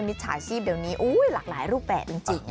จฉาชีพเดี๋ยวนี้หลากหลายรูปแบบจริง